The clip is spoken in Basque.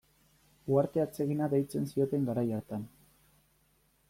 Uharte atsegina deitzen zioten garai hartan.